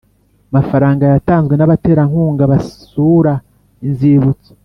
Mafaranga yatanzwe n abaterankunga basura inzibutso